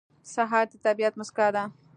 سهار د طبیعت موسکا ده.